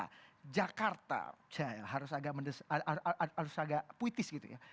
karena jakarta harus agak puitis gitu ya